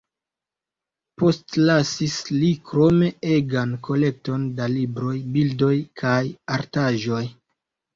Postlasis li krome egan kolekton da libroj, bildoj kaj artaĵoj.